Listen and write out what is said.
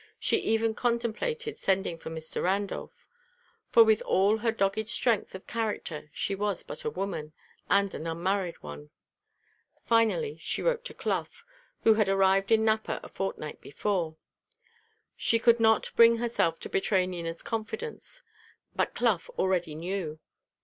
She even contemplated sending for Mr. Randolph; for with all her dogged strength of character she was but a woman, and an unmarried one. Finally she wrote to Clough, who had arrived in Napa a fortnight before. She could not bring herself to betray Nina's confidence; but Clough already knew.